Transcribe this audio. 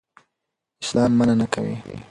اسلام منع نه کوي.